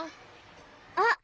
あっ！